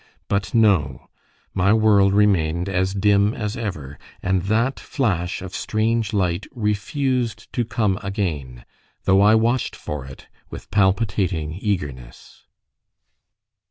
But no; my world remained as dim as ever, and that flash of strange light refused to come again, though I watched for it with palpitating eagerness.